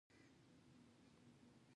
ګورنرجنرال دا پېشنهاد رد کړ.